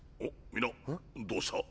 みんな⁉どうした？